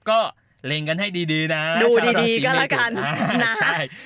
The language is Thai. ก็เล็งกันให้ดีนะชาวราศีเมทุนดูดีก็ละกัน